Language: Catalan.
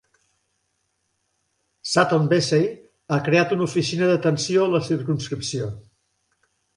Sutton Vesey ha creat una oficina d'atenció a la circumscripció.